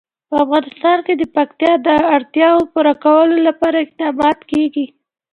په افغانستان کې د پکتیا د اړتیاوو پوره کولو لپاره اقدامات کېږي.